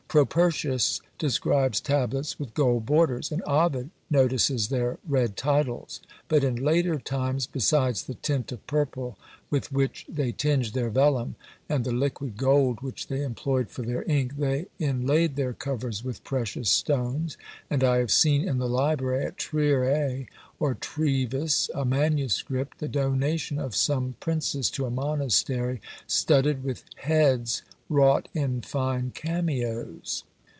Propertius describes tablets with gold borders, and Ovid notices their red titles; but in later times, besides the tint of purple with which they tinged their vellum, and the liquid gold which they employed for their ink, they inlaid their covers with precious stones: and I have seen, in the library at Triers or Treves, a manuscript, the donation of some princess to a monastery, studded with heads wrought in fine cameos.